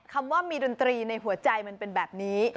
คำว่ามีดนตรีในหัวใจมันเป็นแบบนี้